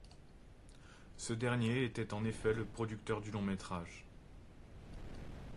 Ce dernier était en effet le producteur du long-métrage.